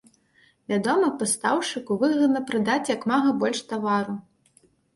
Вядома, пастаўшчыку выгадна прадаць як мага больш тавару.